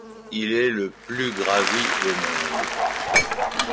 Il est le le plus gravi au monde.